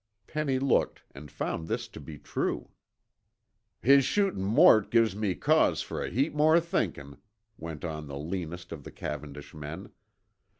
Penny looked and found this to be true. "His shootin' Mort gives me cause fer a heap more thinkin'," went on the leanest of the Cavendish men.